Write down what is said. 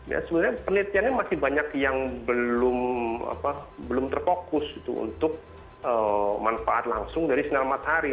ya sebenarnya penelitiannya masih banyak yang belum terfokus untuk manfaat langsung dari sinar matahari